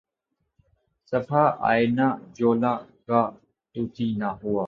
صفحۂ آئنہ جولاں گہ طوطی نہ ہوا